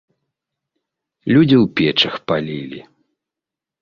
Людзі ў печах палілі.